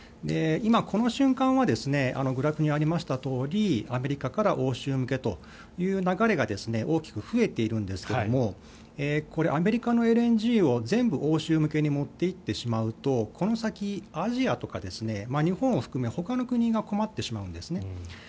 今この瞬間はグラフにあったとおりアメリカから欧州向けという流れが大きく増えているんですがアメリカのＬＮＧを全部、欧州向けに持っていってしまうとこの先、アジアとか日本を含めほかの国が困ってしまうんです。